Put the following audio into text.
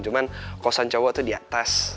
cuman kosan cowok tuh di atas